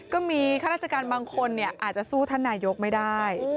ก็มีข้าราชการบางคนอาจจะสู้ท่านนายกไม่ได้